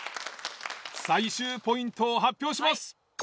最終ポイントを発表します。